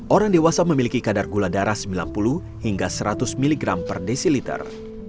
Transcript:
orang dewasa memiliki kadar gula darah sembilan puluh hingga seratus mg per desiliter